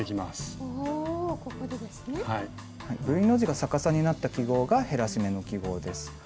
Ｖの字が逆さになった記号が減らし目の記号です。